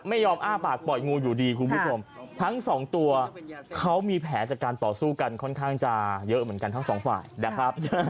อ้าปากปล่อยงูอยู่ดีคุณผู้ชมทั้งสองตัวเขามีแผลจากการต่อสู้กันค่อนข้างจะเยอะเหมือนกันทั้งสองฝ่ายนะครับ